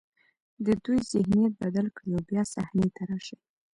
د دوی ذهنیت بدل کړي او بیا صحنې ته راشي.